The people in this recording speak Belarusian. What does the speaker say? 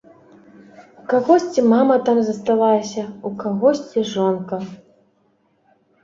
У кагосьці мама там засталася, у кагосьці жонка.